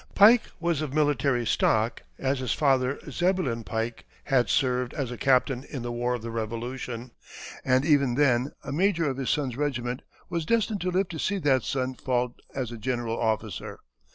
Pike was of military stock, as his father, Zebulon Pike, had served as a captain in the war of the Revolution, and even then a major of his son's regiment was destined to live to see that son fall as a general officer.